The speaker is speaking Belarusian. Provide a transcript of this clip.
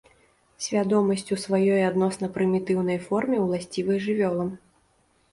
Свядомасць у сваёй адносна прымітыўнай форме ўласціва і жывёлам.